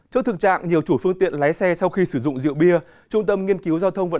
trước thực trạng nhiều chủ phương tiện lái xe sau khi sử dụng rượu bia